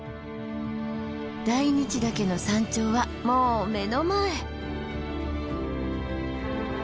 大日岳の山頂はもう目の前。